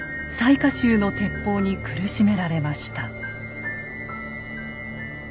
雑賀衆の鉄砲に苦しめられました。